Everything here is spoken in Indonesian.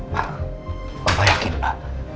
pak bapak yakin pak